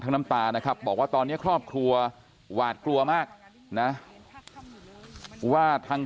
น้ำตานะครับบอกว่าตอนนี้ครอบครัวหวาดกลัวมากนะว่าทาง